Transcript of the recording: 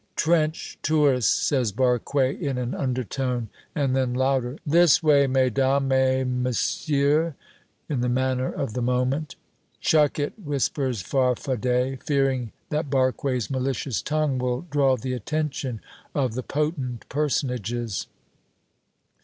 "Trench tourists," says Barque in an undertone, and then louder "This way, mesdames et messieurs" in the manner of the moment. "Chuck it!" whispers Farfadet, fearing that Barque's malicious tongue will draw the attention of the potent personages.